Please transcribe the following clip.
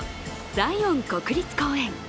ザイオン国立公園。